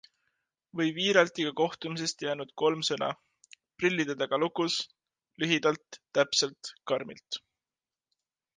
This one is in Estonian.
Või Viiraltiga kohtumisest jäänud kolm sõna - prillide taga lukus ... lühidalt, täpselt karmilt.